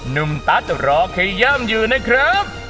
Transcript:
นุ่มตั๊ดรอขย้ำอยู่นะครับ